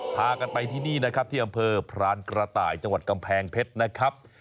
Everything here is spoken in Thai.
พากันไปที่นี่นะครับที่อำเภอพรานกระต่ายจังหวัดกำแพงเพชรนะครับ